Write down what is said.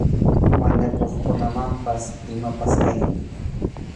Mañakuqkunamanpas imapas ayniy.